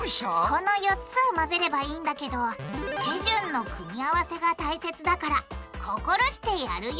この４つを混ぜればいいんだけど「手順の組み合わせ」が大切だから心してやるように！